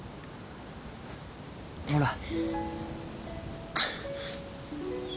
ほら。